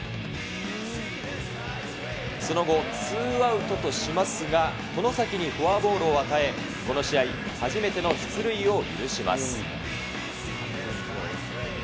その後、ツーアウトとしますが、とのさきにフォアボールを与え、この試合初めての出塁を許します。